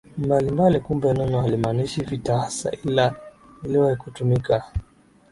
mbalimbali Kumbe neno halimaanishi vita hasa ila liliwahi kutumika